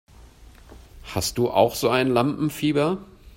Hast du auch so ein Lampenfieber?